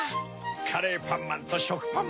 カレーパンマンとしょくぱん